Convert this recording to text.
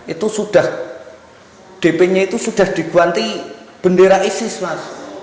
itu sudah dp nya itu sudah diguanti bendera isis mas